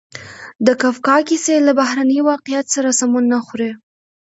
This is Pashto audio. د کافکا کیسې له بهرني واقعیت سره سمون نه خوري.